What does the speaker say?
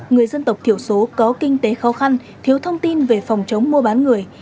người dân tộc thiểu số có kinh tế khó khăn thiếu thông tin về phòng chống mua bán người